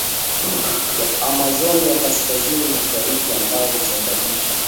ya Amazonia kaskazini mashariki ambayo husababisha